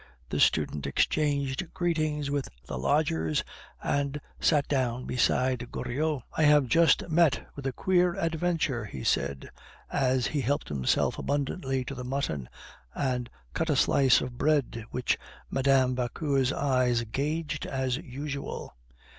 The student exchanged greetings with the lodgers, and sat down beside Goriot. "I have just met with a queer adventure," he said, as he helped himself abundantly to the mutton, and cut a slice of bread, which Mme. Vauquer's eyes gauged as usual.